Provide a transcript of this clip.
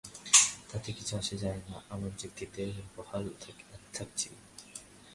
তাতে কিছু আসে যায় না, আমরা চুক্তিতে বহাল থাকছি।